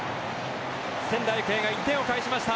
仙台育英が１点を返しました。